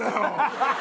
ハハハハ！